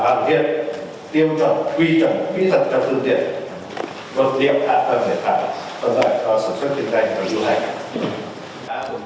phải có sản xuất kinh doanh và yêu hành